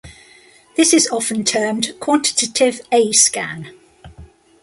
This is often termed quantitative A-scan.